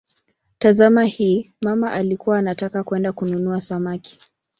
Tazama hii: "mama alikuwa anataka kwenda kununua samaki".